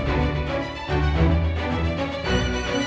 apa harus aku tahu